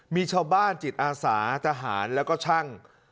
มีชาวบ้านจิตอาสาทหารแล้วก็ช่าง